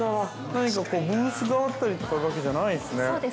◆何かブースがあったりとかじゃないんすね。